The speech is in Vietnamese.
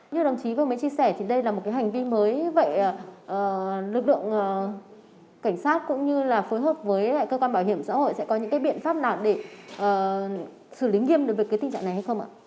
như đồng chí vừa mới chia sẻ thì đây là một cái hành vi mới vậy lực lượng cảnh sát cũng như là phối hợp với cơ quan bảo hiểm xã hội sẽ có những cái biện pháp nào